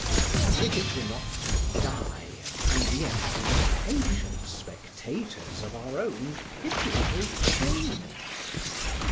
As if it were not to die, and yet be the patient spectators of our own pitiable change!